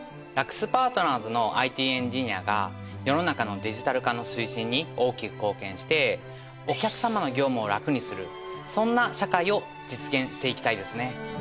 ラクスパートナーズのＩＴエンジニアが世の中のデジタル化の推進に大きく貢献してお客様の業務を「楽」にするそんな社会を実現していきたいですね。